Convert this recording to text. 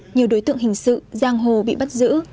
nhiều đối tượng hình sự giang hồ bị bắt giữ